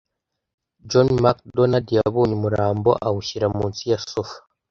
John MacDonald yabonye umurambo, awushyira munsi ya sofa,